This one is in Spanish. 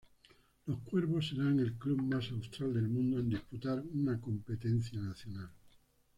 Los Cuervos serán el club más austral del mundo en disputar una competencia nacional.